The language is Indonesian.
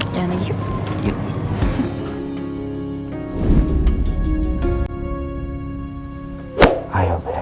jangan lagi yuk